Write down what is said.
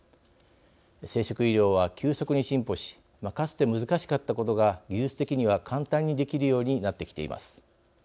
生殖医療は急速に進歩しかつて難しかったことが技術的には簡単にできるようになってきています。